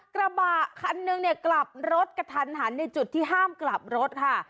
กระบะคันนึงเนี่ยกลับรถกระทันหันในจุดที่ห้ามกลับรถค่ะ